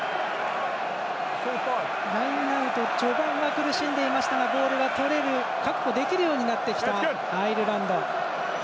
ラインアウト序盤は苦しんでいましたがボールが確保できるようになってきたアイルランド。